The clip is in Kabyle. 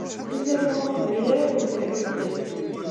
D adabu aqbayli ara kent-iḥudden.